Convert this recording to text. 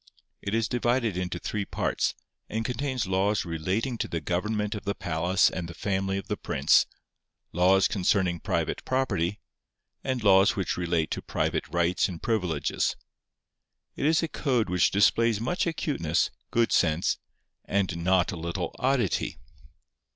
It is divided into three parts, and contains laws relating to the government of the palace and the family of the prince, laws concerning private property, and laws which relate to private rights and privileges. It is a code which displays much acuteness, good sense, and not a little oddity.